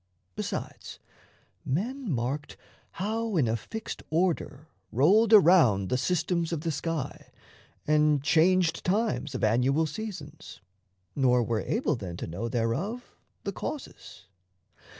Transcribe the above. Besides, men marked How in a fixed order rolled around The systems of the sky, and changed times Of annual seasons, nor were able then To know thereof the causes.